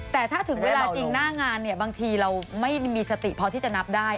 แต่ถ้าถึงเวลาจริงหน้างานเนี่ยบางทีเราไม่มีสติพอที่จะนับได้